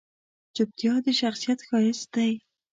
چپتیا، د شخصیت ښایست دی.